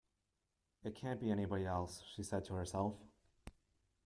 ‘It can’t be anybody else!’ she said to herself.